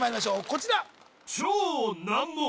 こちら